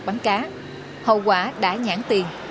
game bắn cá hậu quả đã nhãn tiền